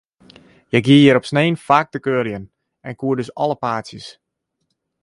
Hja gie hjir op snein faak te kuierjen, en koe dus alle paadsjes.